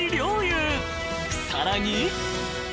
［さらに］